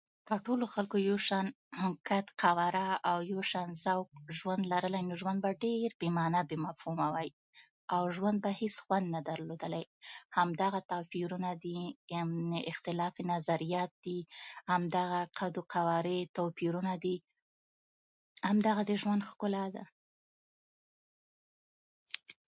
که ټولو خلکو یو شان قد قواره او یو شان ذوق ژوند لرلای، نو ژوند به ډېر بې مانا، بې مفهمومه وای، او ژوند به هیڅ خوند نه درلودلای. همدغه توپيرونه دي، اختلاف نظريات دي، همدغه قد قوارې توپیرونه دي، همدغه د ژوند ښکلا ده.